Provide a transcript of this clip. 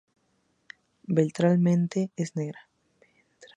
Ventralmente es negra.